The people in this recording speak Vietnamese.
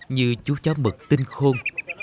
như chú chó mực tinh khôn